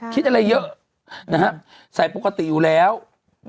คิดอะไรเยอะใส่ปกติอยู่แล้วอืม